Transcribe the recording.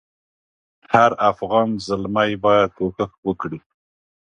هر افغان زلمی باید کوښښ وکړي.